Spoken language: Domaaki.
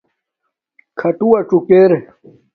کھاٹووہ څوک ارے